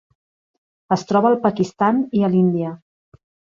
Es troba al Pakistan i a l'Índia.